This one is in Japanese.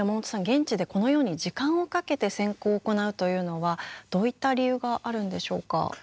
現地でこのように時間をかけて選考を行うというのはどういった理由があるんでしょうか？